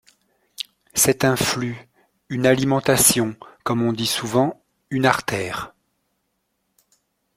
C’est un flux, une alimentation, comme on dit souvent, une artère.